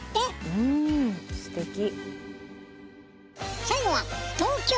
うんすてき。